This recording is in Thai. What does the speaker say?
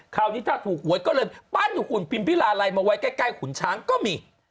คราวนี้ถ้าถูกหวยก็เลยปั้นหุ่นพิมพิลาลัยมาไว้ใกล้ขุนช้างก็มี